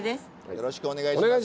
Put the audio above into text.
よろしくお願いします。